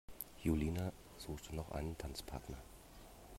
Julina sucht noch einen Tanzpartner.